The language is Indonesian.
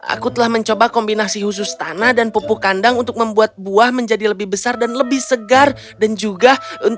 aku telah mencoba kombinasi khusus tanah dan pupuk kandang untuk membuat buah menjadi lebih besar dan lebih segar dan juga